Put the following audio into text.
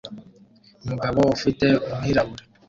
Umugabo ufite umwirabura